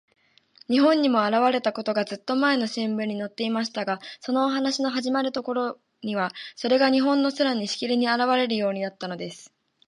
日本にもあらわれたことが、ずっとまえの新聞にのっていましたが、そのお話のはじまるころには、それが日本の空に、しきりにあらわれるようになったのです。